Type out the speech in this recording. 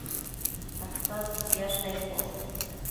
¿atotsi quiash neposh?